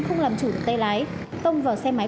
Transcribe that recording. không làm chủ được tay lái tông vào xe máy